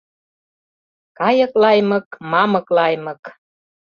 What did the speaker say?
Кайык лаймык — мамык лаймык